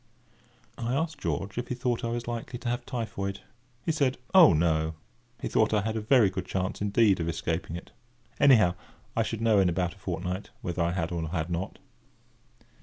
I asked George if he thought I was likely to have typhoid. He said: "Oh, no;" he thought I had a very good chance indeed of escaping it. Anyhow, I should know in about a fortnight, whether I had or had not.